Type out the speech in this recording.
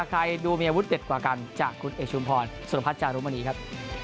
ใครดูมีอาวุธเด็ดกว่ากันจากคุณเอกชุมพรสุรพัฒนจารุมณีครับ